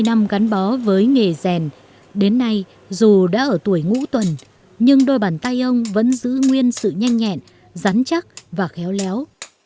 bảy mươi năm gắn bó với nghề rèn đến nay dù đã ở tuổi ngũ tuần nhưng đôi bàn tay ông vẫn giữ nguyên sự nhanh nhẹn rắn chắc và khéo léo